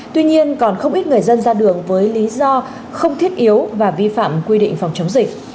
tuy nhiên còn không ít người dân ra đường với lý do không thiết yếu và vi phạm quy định phòng chống dịch